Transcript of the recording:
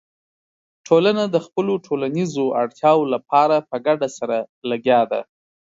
ټولنه د خپلو ټولنیزو اړتیاوو لپاره په ګډه سره لګیا ده.